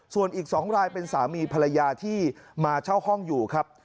ส่วนอีก๒รายเป็นสามีภรรยาที่มาเช่าห้องอยู่ครับ